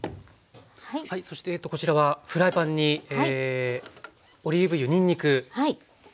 そしてこちらはフライパンにオリーブ油にんにくですね。